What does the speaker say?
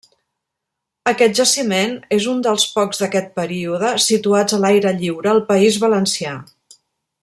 Aquest jaciment és un dels pocs d'aquest període situats a l'aire lliure al País Valencià.